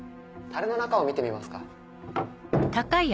樽の中を見てみますか？